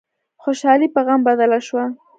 خوشحالي په غم بدله شوه.